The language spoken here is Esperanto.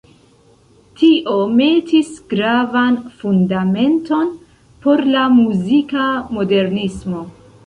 Tio metis gravan fundamenton por la muzika modernismo.